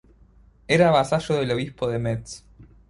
Era vasallo del obispo de Metz.